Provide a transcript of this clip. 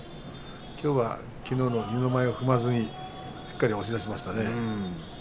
きょうは、きのうの二の舞を踏まずにしっかりとどまりましたね。